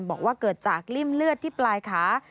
บอกว่าเกิดจากริ่มเลือดที่ปลายขา